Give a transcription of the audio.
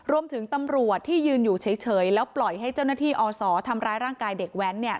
ตำรวจที่ยืนอยู่เฉยแล้วปล่อยให้เจ้าหน้าที่อศทำร้ายร่างกายเด็กแว้นเนี่ย